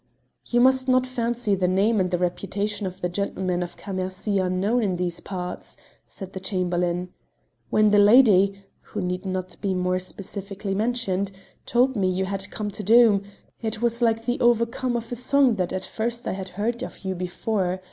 "You must not fancy the name and the reputation of the gentlemen of Cammercy unknown in these parts," said the Chamberlain. "When the lady who need not be more specifically mentioned told me you had come to Doom, it was like the over come of a song at first that I had heard of you before.